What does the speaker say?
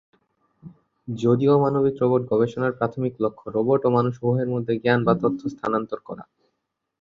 যদিও মানবিক রোবট গবেষণার প্রাথমিক লক্ষ্য রোবট ও মানুষ উভয়ের মধ্যে জ্ঞান বা তথ্য স্থানান্তর করা।